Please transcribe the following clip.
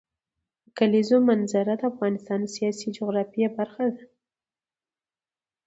د کلیزو منظره د افغانستان د سیاسي جغرافیه برخه ده.